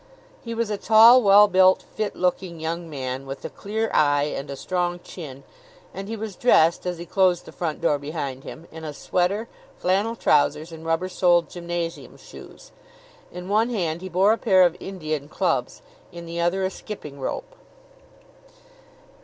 He was a tall, well built, fit looking young man, with a clear eye and a strong chin; and he was dressed, as he closed the front door behind him, in a sweater, flannel trousers, and rubber soled gymnasium shoes. In one hand he bore a pair of Indian clubs, in the other a skipping rope.